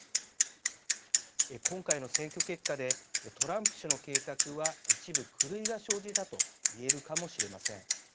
今回の選挙結果でトランプ氏の計画は一部狂いが生じたといえるかもしれません。